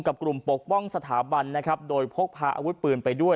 กับกลุ่มปกป้องสถาบันโดยพกพาอาวุธปืนไปด้วย